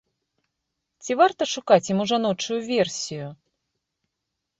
Ці варта шукаць яму жаночую версію?